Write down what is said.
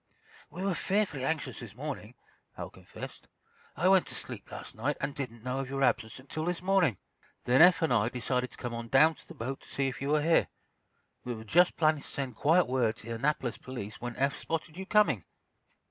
"We were fearfully anxious this morning," Hal confessed. "I went to sleep last night, and didn't know of your absence until this morning. Then Eph and I decided to come on down to the boat to see if you were here. We were just planning to send quiet word to the Annapolis police when Eph spotted you coming."